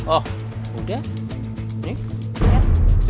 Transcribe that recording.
oh udah nih